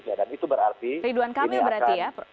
periduan kami berarti ya